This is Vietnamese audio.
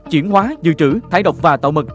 triển hóa dự trữ thải độc và tạo mật